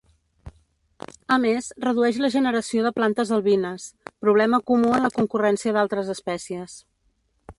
A més redueix la generació de plantes albines, problema comú en la concurrència d'altres espècies.